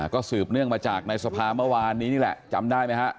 ก็สืบเนื่องมาจากในสภาเมื่อวานนี้นี่แหละจำได้ไหมฮะ